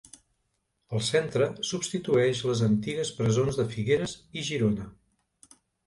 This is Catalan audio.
El centre substitueix les antigues presons de Figueres i Girona.